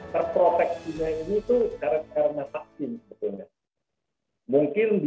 keluarga yang mempunyai orang tua dihimbau untuk ikut vaksin